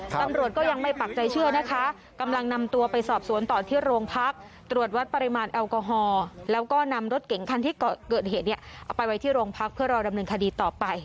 ตำรวจก็ยังไม่ปักใจเชื่อนะคะกำลังนำตัวไปสอบสวนต่อที่โรงพักตรวจวัดปริมาณแอลกอฮอล์แล้วก็นำรถเก่งคันที่เกิดเหตุเนี่ยเอาไปไว้ที่โรงพักเพื่อรอดำเนินคดีต่อไป